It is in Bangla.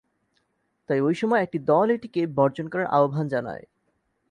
তাই ওই সময় একটি দল এটিকে বর্জন করার আহ্বান জানায়।